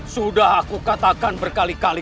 sudah aku katakan berkali kali